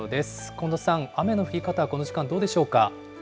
近藤さん、雨の降り方はこの時間、どうでしょうか。